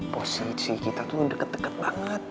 posisi kita tuh deket deket banget